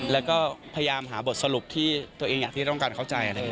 แล้วก็พยายามหาบทสรุปที่ตัวเองที่ต้องการเข้าใจ